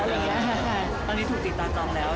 ตอนนี้ถูกติดตามจองแล้ว